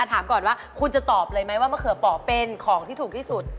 ถามก่อนว่าคุณจะตอบเลยไหมว่ามะเขือป่อเป็นของที่ถูกที่สุด